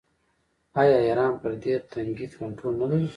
آیا ایران پر دې تنګي کنټرول نلري؟